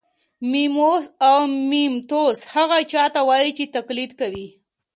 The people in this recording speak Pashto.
میموس او میموتوس هغه چا ته وايي چې تقلید کوي